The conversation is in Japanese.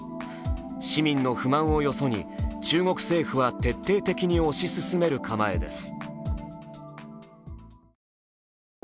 市民の不満をよそに中国政府は徹底的に推し進める構えです。